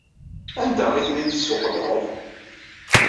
Anda ay ten-id-tessuqqleḍ?